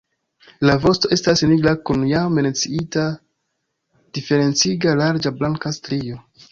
La vosto estas nigra kun jam menciita diferenciga larĝa blanka strio.